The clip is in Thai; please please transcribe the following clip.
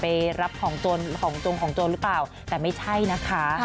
นะคะก็เป็นเรื่องแบบว่า